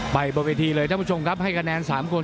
บนเวทีเลยท่านผู้ชมครับให้คะแนน๓คน